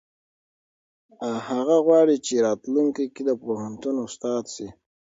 هغه غواړي چې په راتلونکي کې د پوهنتون استاد شي.